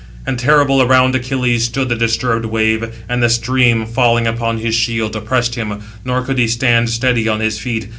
And terrible around Achilles stood the disturbed wave, and the stream, falling upon his shield, oppressed him, nor could he stand steady on his feet.